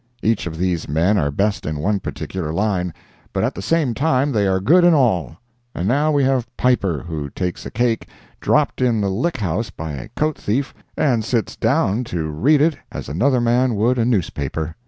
Each of these men are best in one particular line, but at the same time they are good in all. And now we have Piper, who takes a cake, dropped in the Lick House by a coat thief, and sits down to read it as another man would a newspaper.